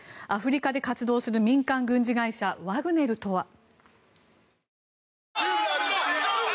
アフリカで活動する民間軍事会社、ワグネルとは。